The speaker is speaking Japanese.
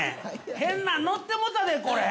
変なん乗ってもうたでこれ。